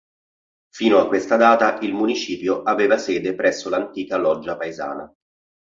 Fino a questa data il municipio aveva sede presso l'antica loggia paesana.